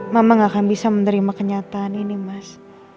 mama gak akan bisa menerima kenyataan ini mas